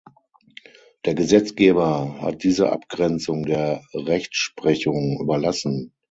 Der Gesetzgeber hat diese Abgrenzung der Rechtsprechung überlassen.